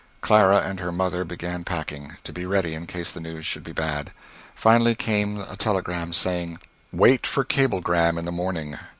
Clara and her mother began packing, to be ready in case the news should be bad. Finally came a cablegram saying, "Wait for cablegram in the morning."